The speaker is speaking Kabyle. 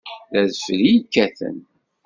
D adfel i yekkaten.